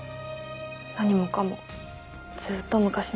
何もかもずっと昔の事です。